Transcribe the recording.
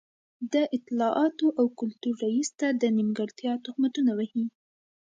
د اطلاعاتو او کلتور رئيس ته د نیمګړتيا تهمتونه وهي.